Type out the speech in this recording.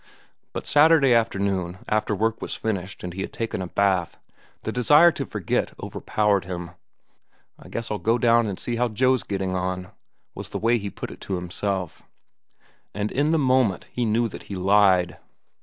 But Saturday afternoon, after work was finished and he had taken a bath, the desire to forget overpowered him. "I guess I'll go down and see how Joe's getting on," was the way he put it to himself; and in the same moment he knew that he lied.